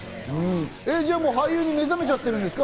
じゃあ、もう俳優に目覚めちゃってるんですか？